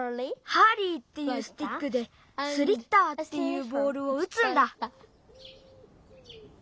ハーリーっていうスティックでスリッターっていうボールをうつんだ。